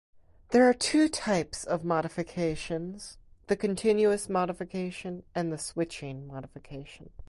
There are two types of modifications: the continuous modification and the switching modification.